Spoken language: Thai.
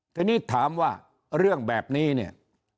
ทีนี้ถามว่าเรื่องแบบนี้เนี่ย